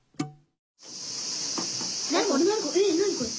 何これ？